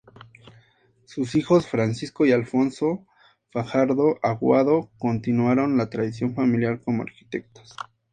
Sus hijos Francisco y Alfonso Fajardo Aguado continuaron la tradición familiar como arquitectos.